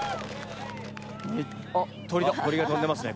鳥が飛んでますね。